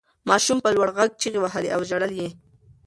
ماشوم په لوړ غږ چیغې وهلې او ژړل یې.